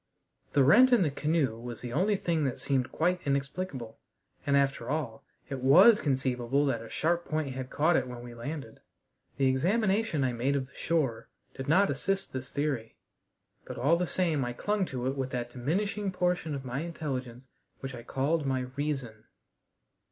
The rent in the canoe was the only thing that seemed quite inexplicable; and, after all, it was conceivable that a sharp point had caught it when we landed. The examination I made of the shore did not assist this theory, but all the same I clung to it with that diminishing portion of my intelligence which I called my "reason."